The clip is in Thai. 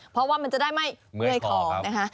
เพราะว่ามันจะได้ไม่เมื่อยคอนะคะ